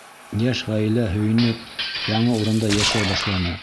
Йәш ғаилә һөйөнөп яңы урында йәшәй башланы.